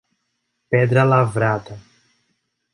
Pedra Lavrada